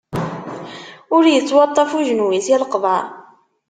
Ur ittwaṭṭaf ujenwi si leqḍaɛ.